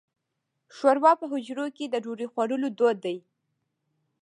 شوروا په حجرو کې د ډوډۍ خوړلو دود دی.